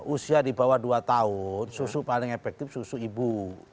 usia di bawah dua tahun susu paling efektif susu ibu